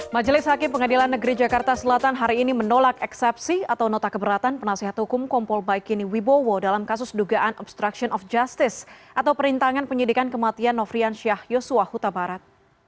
majelis hakim pengadilan negeri jakarta selatan hari ini menolak eksepsi atau nota keberatan penasihat hukum kompol baikini wibowo dalam kasus dugaan obstruction of justice atau perintangan penyidikan kematian nofrian syah yosua huta barat